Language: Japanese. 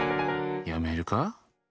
やめるか？